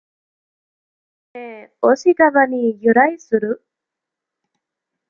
根押川に由来する。